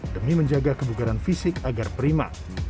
demi menjaga kebugaran fisik agar prima